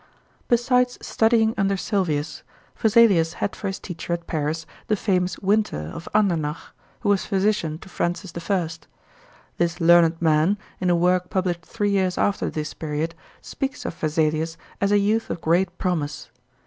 Besides studying under Sylvius, Vesalius had for his teacher at Paris the famous Winter, of Andernach, who was physician to Francis I. This learned man, in a work published three years after this period, speaks of Vesalius as a youth of great promise.